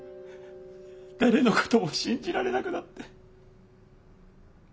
誰のことも信じられなくなって。